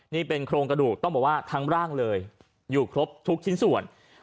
นี่เป็นโครงกระดูกต้องบอกว่าทั้งร่างเลยอยู่ครบทุกชิ้นส่วน